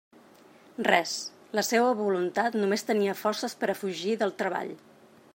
Res; la seua voluntat només tenia forces per a fugir del treball.